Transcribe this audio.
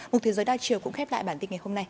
một thế giới đa chiều cũng khép lại bản tin ngày hôm nay